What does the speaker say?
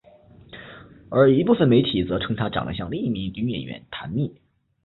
而一部分媒体则称她长得像另一名女演员坛蜜。